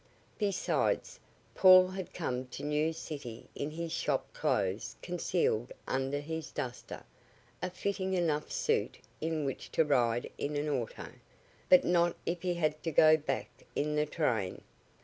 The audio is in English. Besides, Paul had come to New City in his shop clothes concealed under his duster, a fitting enough suit in which to ride in an auto, but not if he had to go back in the train.